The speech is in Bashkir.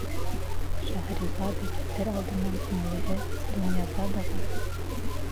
Шәһрезада китер алдынан һеңлеһе Донъязадаға: